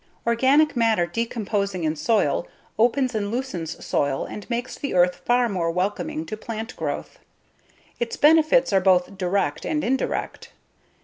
Organic matter decomposing in soil opens and loosens soil and makes the earth far more welcoming to plant growth. Its benefits are both direct and indirect.